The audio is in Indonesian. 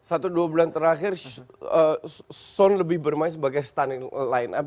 satu dua bulan terakhir son lebih bermain sebagai standing line up